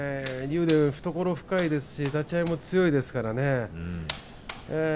竜電、懐深いですし立ち合い、強いですからね。